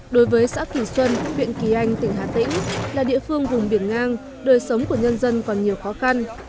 đối với xã kỳ xuân huyện kỳ anh tỉnh hà tĩnh là địa phương vùng biển ngang đời sống của nhân dân còn nhiều khó khăn